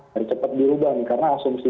harus cepat diubah nih karena asumsi